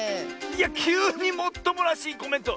いやきゅうにもっともらしいコメント！